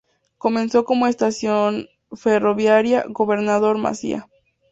Comenzó como estación Ferroviaria Gobernador Maciá.